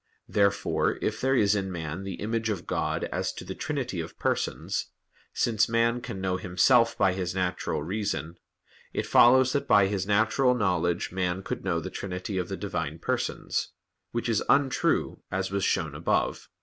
Therefore, if there is in man the image of God as to the Trinity of Persons; since man can know himself by his natural reason, it follows that by his natural knowledge man could know the Trinity of the Divine Persons; which is untrue, as was shown above (Q.